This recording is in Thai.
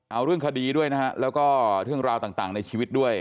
เอาเรื่องคดีด้วยนะฮะแล้วก็เรื่องราวต่างในชีวิตด้วย